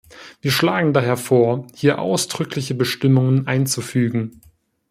Wir schlagen daher vor, hier ausdrückliche Bestimmungen einzufügen.